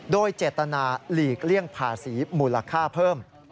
โดยเจตนาหลีกเลี่ยงภาษีมูลค่าเพิ่ม